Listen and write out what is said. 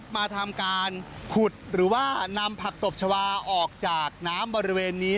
มาทำการขุดหรือว่านำผักตบชาวาออกจากน้ำบริเวณนี้